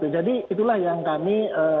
jadi itulah yang kami